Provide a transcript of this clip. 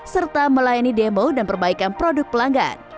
serta melayani demo dan perbaikan produk pelanggan